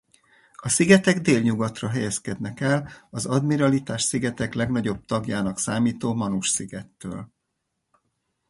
A szigetek délnyugatra helyezkednek el az Admiralitás-szigetek legnagyobb tagjának számító Manus-szigettől.